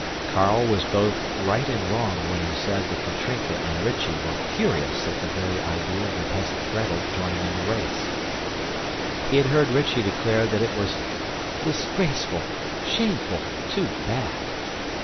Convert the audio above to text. Carl was both right and wrong when he said that Katrinka and Rychie were furious at the very idea of the peasant Gretel joining in the race. He had heard Rychie declare that it was "Disgraceful, shameful, too bad!"